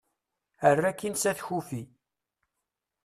err akin s at kufi